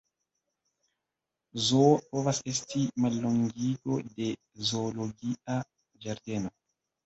Zoo povas esti mallongigo de "zoologia ĝardeno".